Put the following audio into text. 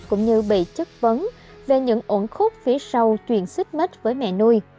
cũng như bị chất vấn về những ổn khúc phía sau chuyện xích mít với mẹ nuôi